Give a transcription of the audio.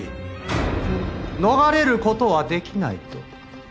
逃れる事はできないと。